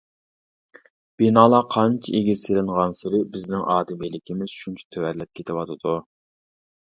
بىنالار قانچە ئېگىز سېلىنغانسېرى بىزنىڭ ئادىمىيلىكىمىز شۇنچە تۆۋەنلەپ كېتىۋاتىدۇ.